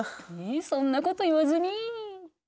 そんなこと言わずに。